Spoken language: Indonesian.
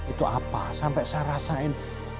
itu apa sampai saya rasain